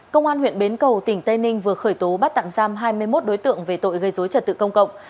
công an huyện bến cầu tỉnh tây ninh vừa khởi tố bắt tạm giam hai mươi một đối tượng về tội gây dối trật tự công cộng